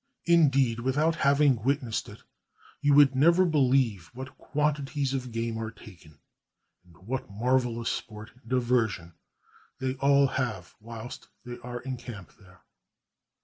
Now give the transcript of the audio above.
Indeed, without having witnessed it, you would never believe what quantities of game are taken, and what marvelous sport and diversion they all have whilst they are in camp there.